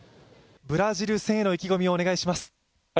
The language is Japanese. ブラジル戦への意気込みをお願いします。